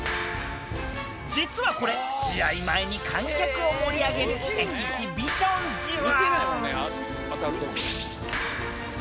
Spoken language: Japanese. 実はこれ試合前に観客を盛り上げるエキシビションじわ。